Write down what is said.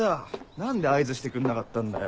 何で合図してくんなかったんだよ。